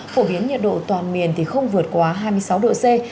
phổ biến nhiệt độ toàn miền không vượt quá hai mươi sáu độ c